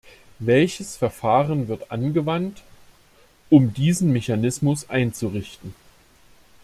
Welches Verfahren wird angewandt, um diesen Mechanismus einzurichten?